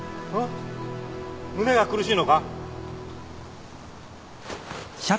胸が苦しいのか？